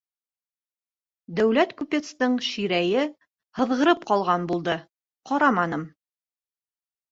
Дәүләт купецтың Ширәйе һыҙғырып ҡалған булды, ҡараманым.